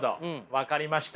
分かりました。